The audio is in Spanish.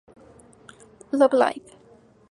Love Live!